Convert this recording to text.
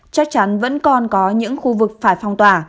chắc chắn vẫn còn có những khu vực phải phong tỏa